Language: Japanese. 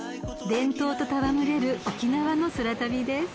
［伝統と戯れる沖縄の空旅です］